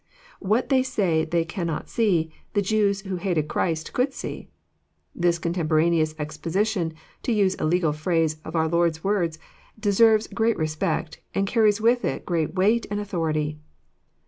What they say they cannot see, the Jews who hated Christ could see. This '< cotemporaneous exposition," to use a legal phrase, of our Lord's words, de serves great respect, and carries with it great weight ahd authority.